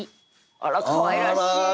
あらかわいらしい。